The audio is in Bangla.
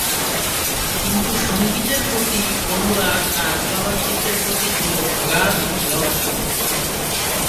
কিন্তু সঙ্গীতের প্রতি অনুরাগ আর চলচ্চিত্রের প্রতি ছিল অগাধ ভালোবাসা।